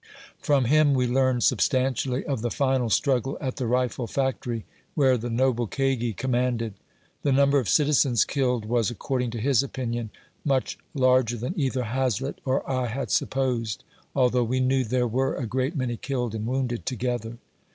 From him, we learned substantially of the final 48 A VOICE FROM HARPER'S FERRY. e struggle at the rifle factory, where the"noble Kagi command ed. The number of citizens killed was, according to his opinion, much larger than either Hazlett or I had supposed, although we knew there were a great many killed and wound ed together.